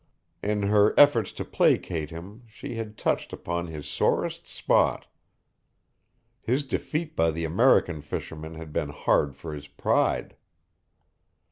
In her efforts to placate him she had touched upon his sorest spot. His defeat by the American fishermen had been hard for his pride.